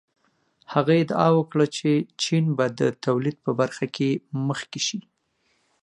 هغه ادعا وکړه چې چین به د تولید په برخه کې مخکې شي.